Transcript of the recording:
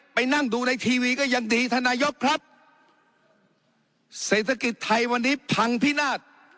นั่งดูในทีวีก็ยังดีท่านนายกครับเศรษฐกิจไทยวันนี้พังพินาศ